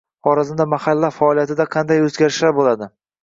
Xorazmda mahallalar faoliyatida qanday o‘zgarishlar bo‘ladi?